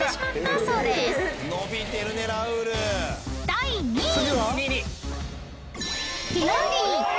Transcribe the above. ［第２位］